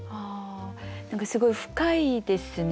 何かすごい深いですね。